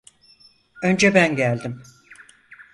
Önce ben geldim.